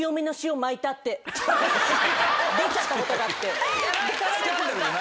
出ちゃったことがあって。